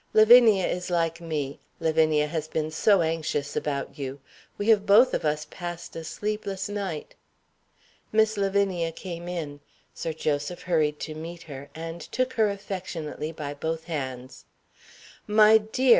"Lavinia is like me Lavinia has been so anxious about you. We have both of us passed a sleepless night." Miss Lavinia came in. Sir Joseph hurried to meet her, and took her affectionately by both hands. "My dear!